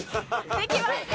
できました！